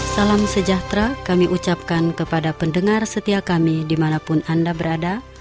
salam sejahtera kami ucapkan kepada pendengar setia kami dimanapun anda berada